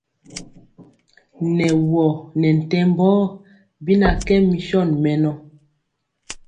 Nɛ wɔ nɛ ntɛmbɔɔ bi na kɛ mison mɛnɔ.